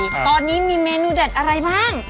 ตอนนี้มีเมนูเด็ดอะไรบ้าง